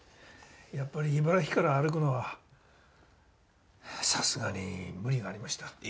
やっぱり茨城から歩くのはさすがに無理がありました。